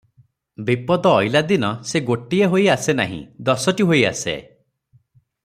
ବିପଦ ଅଇଲା ଦିନ ସେ ଗୋଟିଏ ହୋଇ ଆସେ ନାହିଁ- ଦଶଟି ହୋଇ ଆସେ ।